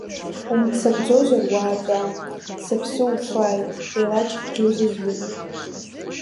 Умццакӡозар, уаатәа, сыԥсы уфааит, еилаџькгьы узызуеит.